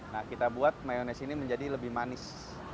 nah kita buat mayonese ini menjadi lebih manis